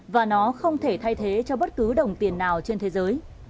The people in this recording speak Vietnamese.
và nó không thể thay thế cho bất cứ đồng tiền nào trên thế giới